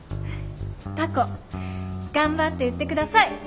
たこ頑張って売って下さい。